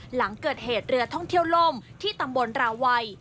หลังเกิดเหตุเรือท่องเที่ยวล่มที่ตำบลราวัย